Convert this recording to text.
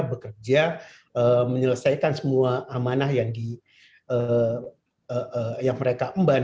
bekerja menyelesaikan semua amanah yang mereka emban